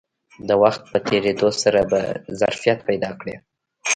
د وخت په تېرېدو سره به ظرفیت پیدا کړي